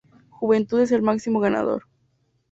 Juventud es el máximo ganador.